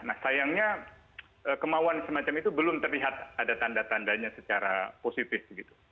nah sayangnya kemauan semacam itu belum terlihat ada tanda tandanya secara positif gitu